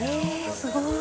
すごい。